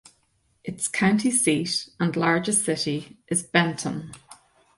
Its county seat and largest city is Benton.